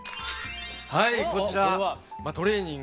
はいこちらトレーニング。